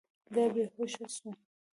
دا بې هوشه سو.